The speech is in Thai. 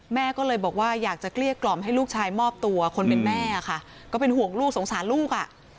แม่ก็เลยบอกว่าอยากจะเกลี้ยกล่อมให้ลูกชายมอบตัวคนเป็นแม่ค่ะก็เป็นห่วงลูกสงสารลูกอ่ะ